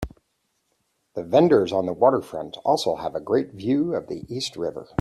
The vendors on the waterfront also have a great view of the East River.